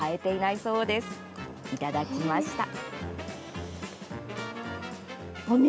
いただきました。